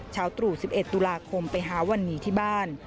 ตรู่๑๑ตุลาคมไปหาวันนี้ที่บ้าน